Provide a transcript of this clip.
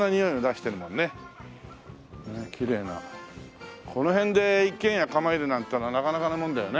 きれいなこの辺で一軒家構えるなんてのはなかなかのもんだよね。